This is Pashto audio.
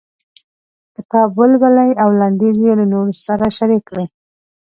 کتاب ولولئ او لنډيز یې له نورو سره شريک کړئ.